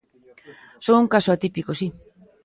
Son un caso atípico, si.